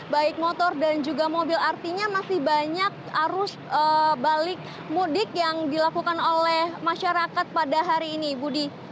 baik motor dan juga mobil artinya masih banyak arus balik mudik yang dilakukan oleh masyarakat pada hari ini budi